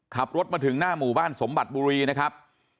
ขับรถมาถึงหน้าหมู่บ้านสมบัติบุรีนะครับ